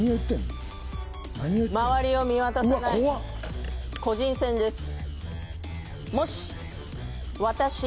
周りを見渡さない、個人戦です。